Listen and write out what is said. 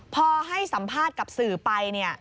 พอให้สัมภาษณ์กับวัสดิ์